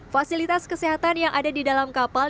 fasilitas kesehatan yang ada di dalam kapal